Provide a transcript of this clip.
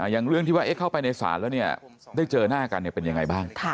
อย่างเรื่องที่ว่าเข้าไปในศาลแล้วได้เจอหน้ากันเป็นยังไงบ้าง